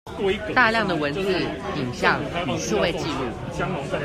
大量的文字、影像與數位紀錄